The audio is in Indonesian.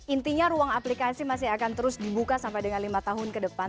intinya ruang aplikasi masih akan terus dibuka sampai dengan lima tahun ke depan